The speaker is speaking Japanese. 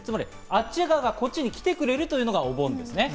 あっち側がこっちに来てくれるというのがお盆です。